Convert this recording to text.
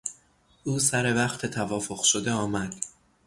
او سروقت توافق شده آمد.